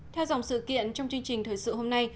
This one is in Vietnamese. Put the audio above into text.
theo dòng sự kiện trong chương trình thời sự hôm nay